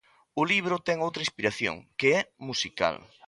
O libro ten outra inspiración, que é musical.